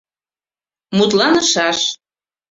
Мутланышаш.